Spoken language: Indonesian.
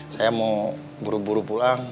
saya mau buru buru pulang